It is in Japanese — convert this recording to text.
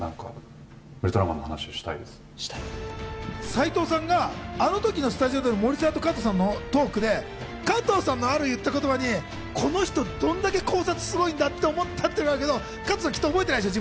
斎藤さんがあの時のスタジオで森さんと加藤さんのトークで加藤さんのある言った言葉にこの人、どんだけ考察すごいんだって思ったっていうんですけど、加藤さん、きっと覚えてないでしょ？